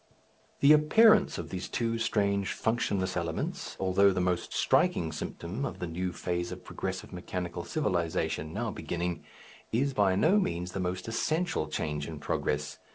The appearance of these two strange functionless elements, although the most striking symptom of the new phase of progressive mechanical civilization now beginning, is by no means the most essential change in progress.